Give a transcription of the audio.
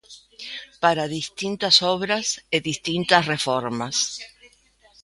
Para distintas obras e distintas reformas...